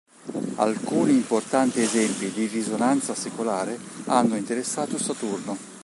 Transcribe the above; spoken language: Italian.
Alcuni importanti esempi di risonanza secolare hanno interessato Saturno.